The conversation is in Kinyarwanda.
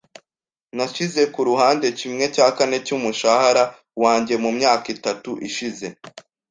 Nashyize ku ruhande kimwe cya kane cy'umushahara wanjye mu myaka itatu ishize.